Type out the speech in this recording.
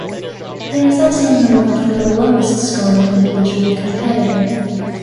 There is also an award for the lowest scoring individual competitor.